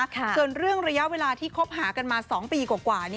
ส่วนเรื่องระยะเวลาที่คบหากันมา๒ปีกว่า